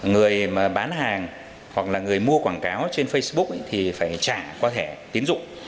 người bán hàng hoặc là người mua quảng cáo trên facebook thì phải trả qua thẻ tín dụng